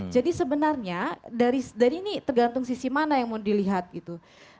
jadi sebenarnya dari ini tergantung sisi mana yang mau dilihat gitu